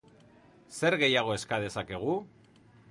Zer gehiago eska dezakegu?